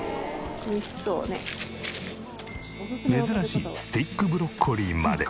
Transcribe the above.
珍しいスティックブロッコリーまで。